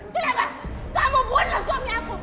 kenapa kamu bunuh suami aku